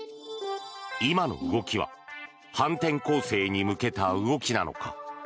今の動きは反転攻勢に向けた動きなのか？